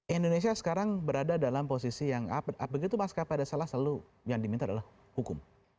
indonesia sekarang berada dalam posisi yang begitu maskapai ada salah selalu yang diminta adalah hukum